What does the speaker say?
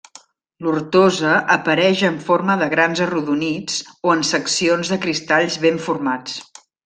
L'ortosa apareix en forma de grans arrodonits o en seccions de cristalls ben formats.